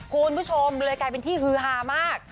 คุณผู้ชมเลยกลายเป็นที่ฮือฮามาก